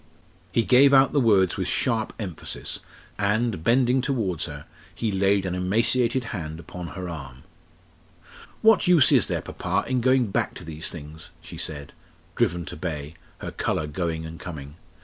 He gave out the words with sharp emphasis, and, bending towards her, he laid an emaciated hand upon her arm. "What use is there, papa, in going back to these things?" she said, driven to bay, her colour going and coming.